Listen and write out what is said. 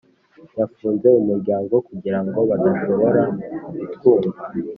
yafunze umuryango kugirango badashobora kutwumva.